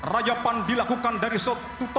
rayapan dilakukan dari setulas tali di atas setulas tali